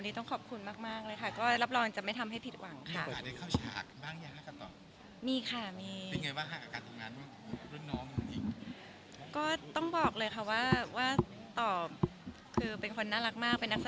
เรื่องนี้ก็ผมต้องขอบคุณมากนะค่ะ